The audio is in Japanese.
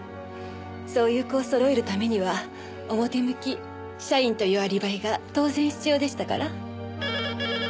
そういう子をそろえるためには表向き社員というアリバイが当然必要でしたから。